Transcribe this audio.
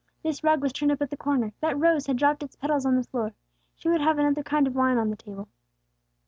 This rug was turned up at the corner; that rose had dropped its petals on the floor. She would have another kind of wine on the table.